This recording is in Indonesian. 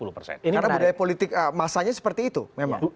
karena budaya politik masanya seperti itu memang